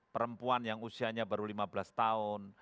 perempuan yang usianya baru lima belas tahun